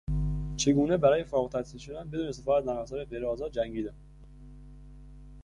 چگونه برای فارغالتحصیل شدن بدون استفاده از نرمافزارهای غیرآزاد جنگیدم